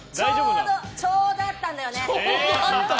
ちょうどあったんだよね。